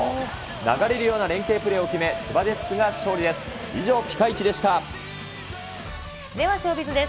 流れるような連係プレーを決め、千葉ジェッツが勝利です。